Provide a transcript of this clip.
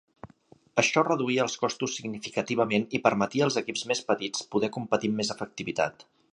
Això reduïa els costos significativament i permetia als equips més petits poder competir amb més efectivitat.